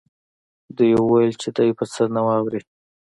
دوی ویل چې دی به څه نه واوري